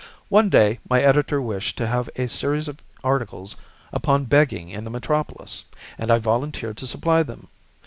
One day my editor wished to have a series of articles upon begging in the metropolis, and I volunteered to supply them.